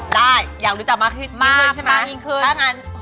ได้อยากรู้จักมากขึ้นใช่ไหมถ้าอย่างนั้นมากมากขึ้น